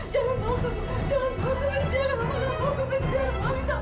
jangan bawa aku ke penjara